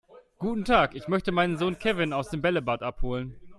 Guten Tag, ich möchte meinen Sohn Kevin aus dem Bällebad abholen.